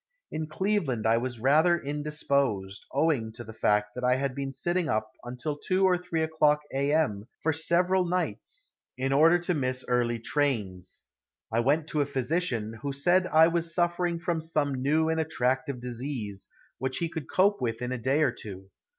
In Cleveland I was rather indisposed, owing to the fact that I had been sitting up until 2 or 3 o'clock a. m. for several nights in order to miss early trains. I went to a physician, who said I was suffering from some new and attractive disease, which he could cope with in a day or two.